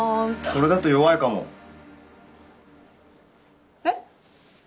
それだと弱いかも。え？